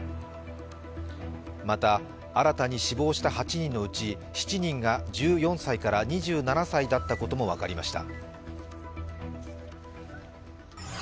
また、新たに死亡した８人のうち７人が１４歳から２７歳だったことも分かりました。